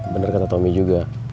bener kata tomi juga